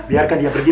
biarkan dia pergi